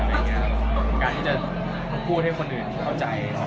อย่างงี้ครับการที่จะพูดให้คนอื่นเข้าใจ